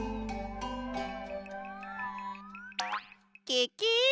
ケケ！